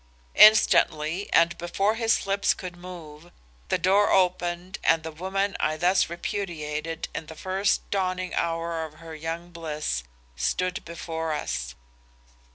"Instantly, and before his lips could move, the door opened and the woman I thus repudiated in the first dawning hour of her young bliss, stood before us.